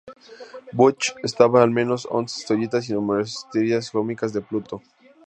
Butch estaba en al menos once historietas y numerosas tiras cómicas de Pluto.